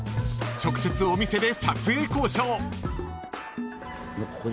［直接お店で撮影交渉］